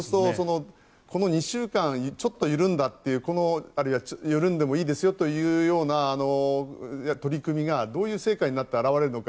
この２週間ちょっと緩んだというあるいは緩んでもいいですよというような取り組みがどういう成果になって表れるのか。